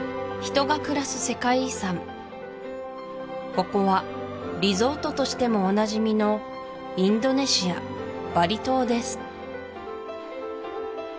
ここはリゾートとしてもおなじみのインドネシアバリ島です